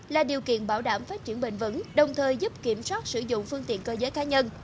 là điều kiện bảo đảm phát triển bền vững đồng thời giúp kiểm soát sử dụng phương tiện cơ giới cá nhân